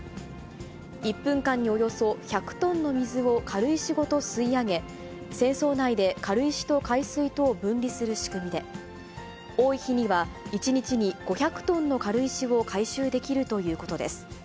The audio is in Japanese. １分間におよそ１００トンの水を軽石ごと吸い上げ、船倉内で軽石と海水とを分離する仕組みで、多い日には１日に５００トンの軽石を回収できるということです。